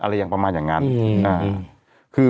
อะไรอย่างประมาณอย่างนั้นคือ